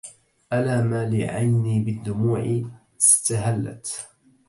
ألا ما لعيني بالدموع استهلت